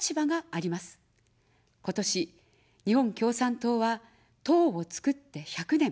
今年、日本共産党は党をつくって１００年。